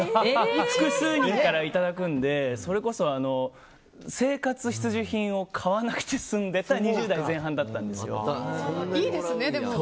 複数人からいただくのでそれこそ生活必需品を買わなくて済んでた２０代前半だったんですよ。